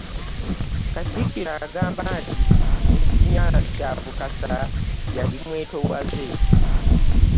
Katikkiro agamba nti Misinya Kyabukasa yali mwetowaze